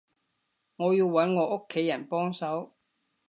我要揾我屋企人幫手